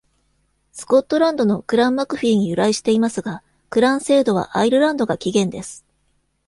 スコットランドのクラン・マクフィーに由来していますが、クラン制度はアイルランドが起源です。